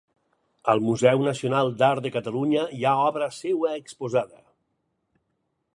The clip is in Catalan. Al Museu Nacional d'Art de Catalunya hi ha obra seva exposada.